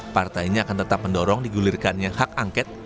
partainya akan tetap mendorong digulirkannya hak angket